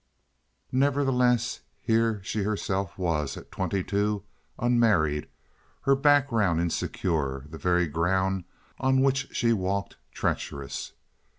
Nevertheless, here she herself was, at twenty two, unmarried, her background insecure, the very ground on which she walked treacherous.